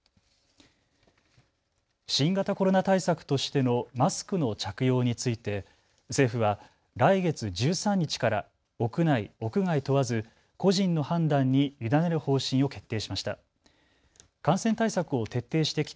新型コロナ対策としてのマスクの着用について政府は来月１３日から屋内・屋外問わず個人の判断に委ねる方針を決定しました。